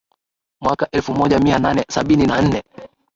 mwaka elfu moja mia nane sabini na nne